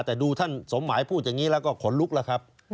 แต่ดูท่านสมหมายพูดอย่างนี้แล้วก็ขนลุกแล้วครับ